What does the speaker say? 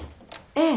ええ。